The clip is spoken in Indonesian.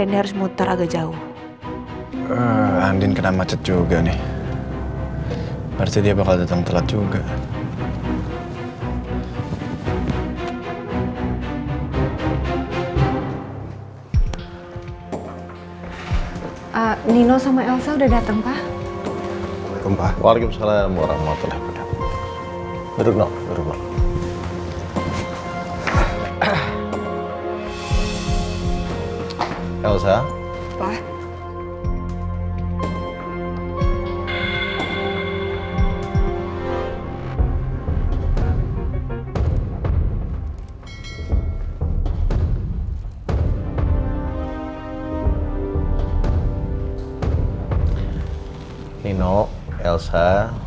sampai jumpa di video selanjutnya